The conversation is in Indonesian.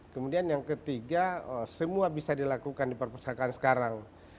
kemudian yang ketiga semua bisa dilakukan di perpustakaan sekarang